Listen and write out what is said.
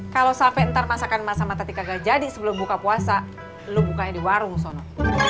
kalau save ntar masakan masa matati kagak jadi sebelum buka puasa lo bukain di warung sono